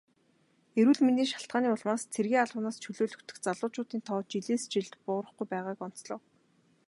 Эрүүл мэндийн шалтгааны улмаас цэргийн албанаас чөлөөлөгдөх залуучуудын тоо жилээс жилд буурахгүй байгааг онцлов.